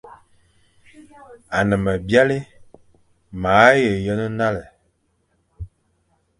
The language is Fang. Ane me byalé, ma he yen nale,